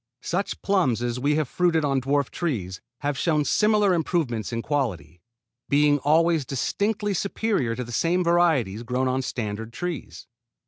Such plums as we have fruited on dwarf trees have shown similar improvement in quality, being always distinctly superior to the same varieties grown on standard trees.